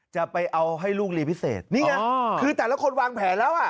จะเอาให้ลูกเรียนพิเศษนี่ไงคือแต่ละคนวางแผนแล้วอ่ะ